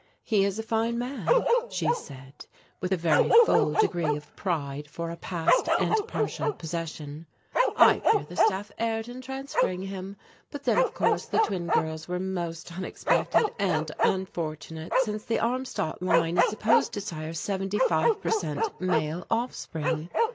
"He is a fine man," she said, with a very full degree of pride for a past and partial possession. "I fear the Staff erred in transferring him, but then of course the twin girls were most unexpected and unfortunate since the Armstadt line is supposed to sire seventy five per cent, male offspring.